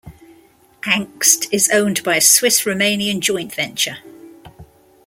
Angst is owned by a Swiss-Romanian joint venture.